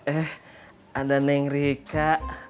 eh anda neng rika